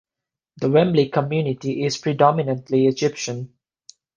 The Wembley community is predominantly Egyptian.